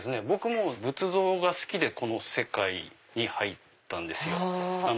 僕も仏像が好きでこの世界に入ったんですよ。